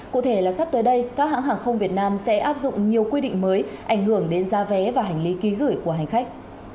cụ thể là sắp tới đây các hãng hàng không việt nam sẽ áp dụng nhiều quy định mới ảnh hưởng đến giá vé và hành lý ký gửi của hành khách